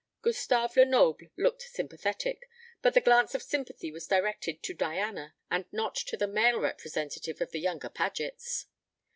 Gustave Lenoble looked sympathetic, but the glance of sympathy was directed to Diana, and not to the male representative of the younger Pagets.